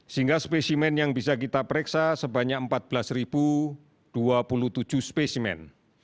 sehingga spesimen yang bisa kita pereksa sebanyak empat belas dua puluh tujuh spesimen